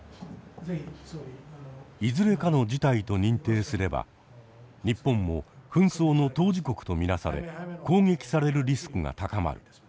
いずれかの事態と認定すれば日本も紛争の当事国と見なされ攻撃されるリスクが高まる。